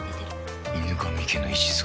「『犬神家の一族』」